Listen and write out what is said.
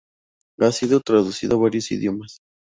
Ha sido traducido a varios idiomas.